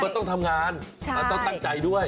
ต้องทำงานตั้งใจด้วย